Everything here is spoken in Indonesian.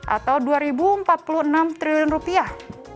atau dua ribu empat puluh enam triliun rupiah